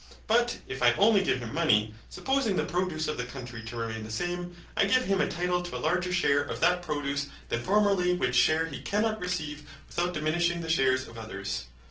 But if I only give him money, supposing the produce of the country to remain the same, I give him a title to a larger share of that produce than formerly, which share he cannot receive without diminishing the shares of others.